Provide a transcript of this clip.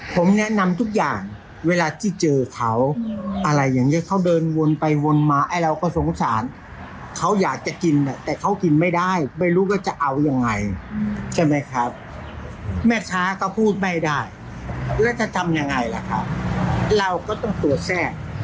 ผมแนะนำทุกอย่างเวลาที่เจอเขาอะไรอย่างนี้เขาเดินวนไปวนมาไอ้เราก็สงสารเขาอยากจะกินแต่เขากินไม่ได้ไม่รู้ว่าจะเอายังไงใช่ไหมครับแม่ค้าก็พูดไม่ได้แล้วจะทำยังไงล่ะครับเราก็ต้องตรวจแทรก